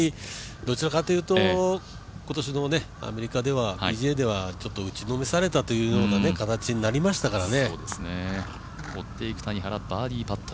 どちらかというと今年のアメリカではＰＧＡでは打ちのめされたという形ではありましたからね。